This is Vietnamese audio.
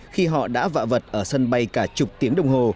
khi họ đã vạ vật ở sân bay cả chục tiếng đồng hồ